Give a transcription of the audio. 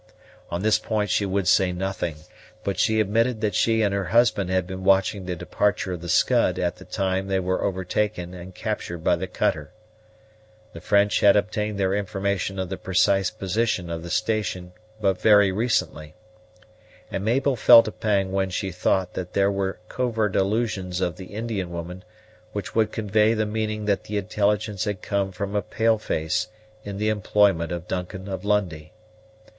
On this point she would say nothing; but she admitted that she and her husband had been watching the departure of the Scud at the time they were overtaken and captured by the cutter. The French had obtained their information of the precise position of the station but very recently; and Mabel felt a pang when she thought that there were covert allusions of the Indian woman which would convey the meaning that the intelligence had come from a pale face in the employment of Duncan of Lundie.